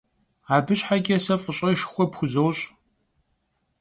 Abı şheç'e se f'ış'eşşxue pxuzoş.